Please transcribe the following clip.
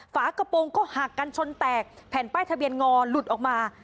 ฝากระโปรงก็หักกันชนแตกแผ่นป้ายทะเบียนงอหลุดออกมา